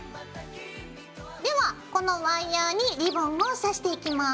ではこのワイヤーにリボンを刺していきます。